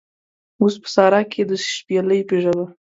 اوس په سارا کې د شپیلۍ په ژبه